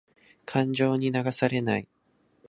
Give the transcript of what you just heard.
感情に流されない。